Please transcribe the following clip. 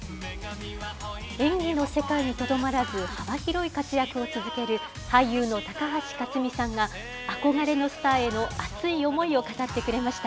演技の世界にとどまらず、幅広い活躍を続ける俳優の高橋克実さんが、憧れのスターへの熱い思いを語ってくれました。